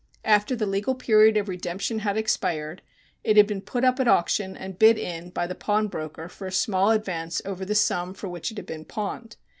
After the legal period of redemption had expired it had been put up at auction and bid in by the pawnbroker for a small advance over the sum for which it had been pawned.